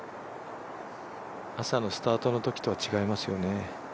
朝のスタートのときとは違いますよね。